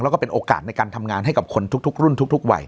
แล้วก็เป็นโอกาสในการทำงานให้กับคนทุกรุ่นทุกวัย